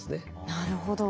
なるほど。